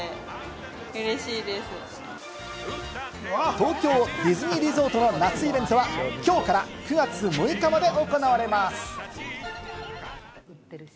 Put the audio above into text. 東京ディズニーリゾートの夏のイベントは、きょうから９月６日まで行われます。